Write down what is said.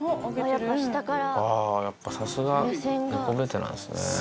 やっぱさすが、猫ベテランですね。